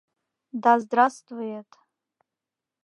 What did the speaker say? Да здравствует!..